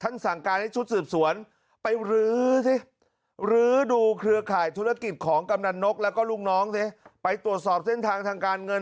ท่านสั่งการให้ชุดสืบสวนไปรื้อซิรื้อดูเครือข่ายธุรกิจของกำหนดนกแล้วก็ลูกน้องซิ